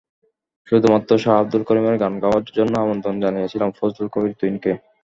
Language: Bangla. শুধুমাত্র শাহ আবদুল করিমের গান গাওয়ার জন্য আমন্ত্রণ জানিয়েছিলাম ফজলুল কবির তুহিনকে।